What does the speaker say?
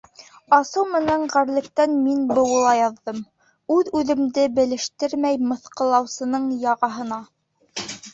Асыу менән ғәрлектән мин быуыла яҙҙым; үҙ-үҙемде белештермәй, мыҫҡыллаусының яғаһына